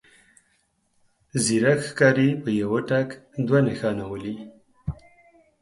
ځيرک ښکاري په يوه ټک دوه نښانه ولي.